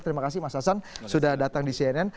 terima kasih mas hasan sudah datang di cnn